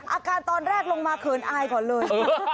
อาการตอนแรกลงมาเขินอายก่อนเลย